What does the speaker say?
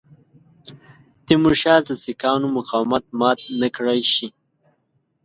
تیمورشاه د سیکهانو مقاومت مات نه کړای شي.